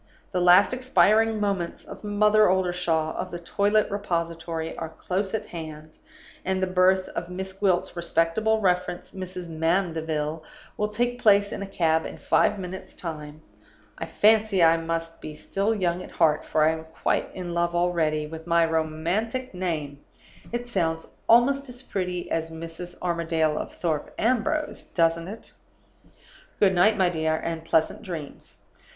The last expiring moments of Mother Oldershaw, of the Toilet Repository, are close at hand, and the birth of Miss Gwilt's respectable reference, Mrs. Mandeville, will take place in a cab in five minutes' time. I fancy I must be still young at heart, for I am quite in love already with my romantic name; it sounds almost as pretty as Mrs. Armadale of Thorpe Ambrose, doesn't it? "Good night, my dear, and pleasant dreams.